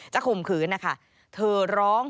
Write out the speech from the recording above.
ข่มขืนนะคะเธอร้อง